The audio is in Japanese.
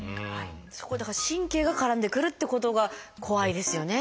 そこにだから神経が絡んでくるっていうことが怖いですよね。